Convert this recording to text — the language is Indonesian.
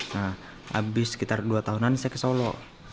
nah habis sekitar dua tahunan saya ke solo